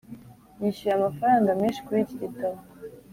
yishyuye amafaranga menshi kuri iki gitabo.